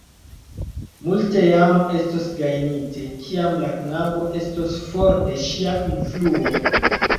Multe jam estos gajnite, kiam la knabo estos for de ŝia influo.